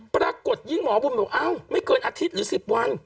ปรากฏยิ่งหมอบุญบอกอ้าวไม่เกินอาทิตย์หรือ๑๐วัน